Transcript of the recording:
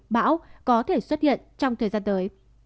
bão có thể xuất hiện trong thời gian tới